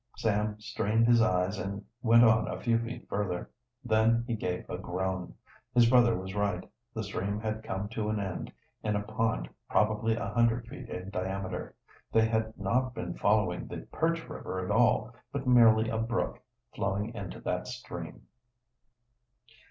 Sam strained his eyes and went on a few feet further. Then he gave a groan. His brother was right, the stream had come to an end in a pond probably a hundred feet in diameter. They had not been following the Perch River at all, but merely a brook flowing into that stream!